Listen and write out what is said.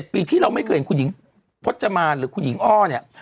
ปีที่เราไม่เคยเห็นคุณหญิงพจมานหรือคุณหญิงอ้อเนี่ย